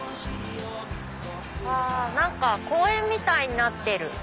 あっ何か公園みたいになってる。